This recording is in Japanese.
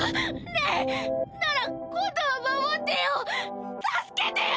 ねえなら今度は守ってよ！